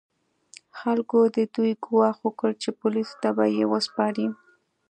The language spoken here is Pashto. خلکو د دوی ګواښ وکړ چې پولیسو ته به یې وسپاري.